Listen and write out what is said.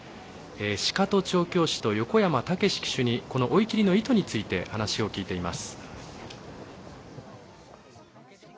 鹿戸調教師と横山武史騎手に追い切りの意図について話を聞いています。